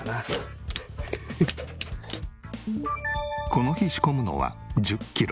この日仕込むのは１０キロ。